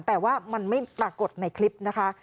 แต่ว่ามันไม่ปรากฏในคลิปนะคะ